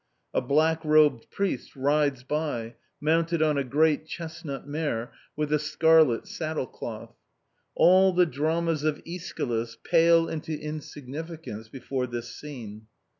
A black robed priest rides by, mounted on a great chestnut mare, with a scarlet saddle cloth. All the dramas of Æschylus pale into insignificance before this scene....